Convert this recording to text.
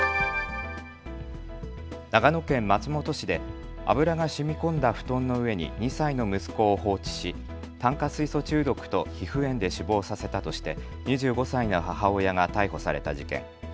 長野県松本市で油がしみこんだ布団の上に２歳の息子を放置し炭化水素中毒と皮膚炎で死亡させたとして２５歳の母親が逮捕された事件。